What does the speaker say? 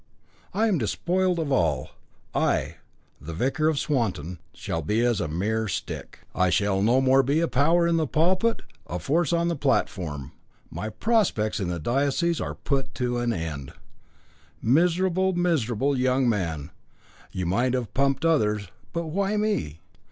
I am despoiled of all. I, the Vicar of Swanton, shall be as a mere stick; I shall no more be a power in the pulpit, a force on the platform. My prospects in the diocese are put an end to. Miserable, miserable young man, you might have pumped others, but why me?